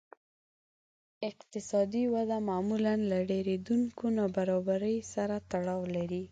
اقتصادي وده معمولاً له ډېرېدونکې نابرابرۍ سره تړاو لري